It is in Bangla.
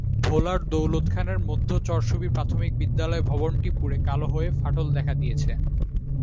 ভোলার দৌলতখানের মধ্য চরশুভী প্রাথমিক বিদ্যালয় ভবনটি পুড়ে কালো হয়ে ফাটল দেখা দিয়েছে।